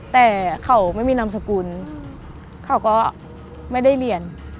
แต่เขาไม่มีนามสกุลเขาก็ไม่ได้เรียน